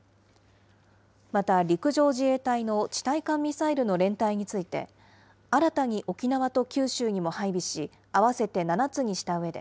また、陸上自衛隊の地対艦ミサイルの連隊について、新たに沖縄と九州にも配備し、合わせて７つにしたうえで、